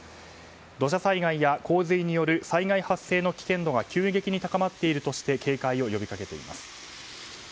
土砂災害や洪水による災害発生の危険度が急激に高まっているとして警戒を呼びかけています。